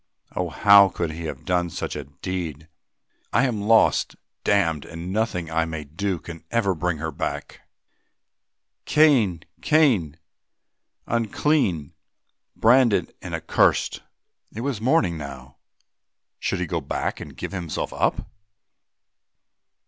Oh! how could he have done such a deed? "I am lost, damned, and nothing I may do can ever bring her back. Cain! Cain! unclean, branded and accurst!" It was morning now, should he go back and give himself up?